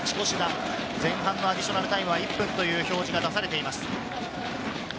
勝ち越し弾、前半のアディショナルタイムは１分という表示が出されています。